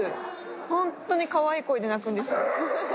本当にかわいい声で鳴くんですよ。